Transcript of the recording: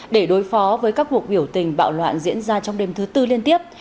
để đối phó với các cuộc biểu tình bạo loạn diễn ra trong đêm thứ tư liên tiếp